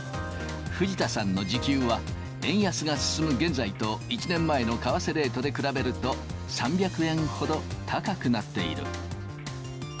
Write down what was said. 藤田さんの時給は、円安が進む現在と、１年前の為替レートで比べると、３００円ほど高くなっている。